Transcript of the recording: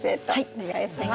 お願いします。